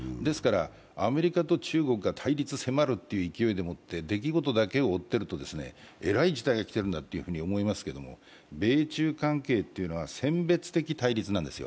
アメリカと中国が対立迫るという勢いでもって出来事だけ追っているとえらい時代が来ているんだと思いますけども、米中関係というのは選別的対立なんですよ。